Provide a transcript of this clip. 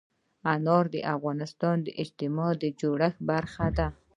انار د افغانستان د اجتماعي جوړښت برخه ده.